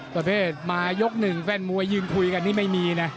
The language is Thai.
ประเภทมายกหนึ่งแฟนมวยยืนคุยกันนี่ไม่มีนะ